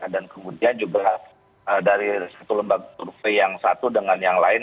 dan kemudian juga dari satu lembaga survei yang satu dengan yang lain